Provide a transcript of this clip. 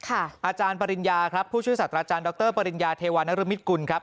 อาจารย์ปริญญาครับผู้ช่วยศาสตราจารย์ดรปริญญาเทวานรมิตกุลครับ